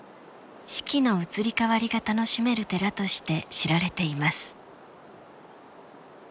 四季の移り変わりが楽しめる寺として知られています。